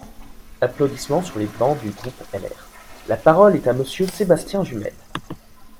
(Applaudissements sur les bancs du groupe LR.) La parole est à Monsieur Sébastien Jumel.